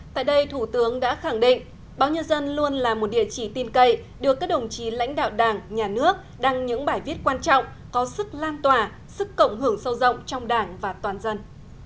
tại đây thủ tướng đã khẳng định báo nhân dân luôn là một địa chỉ tin cậy được các đồng chí lãnh đạo đảng nhà nước đăng những bài viết quan trọng có sức lan tỏa sức cộng hưởng sâu rộng trong đảng và toàn dân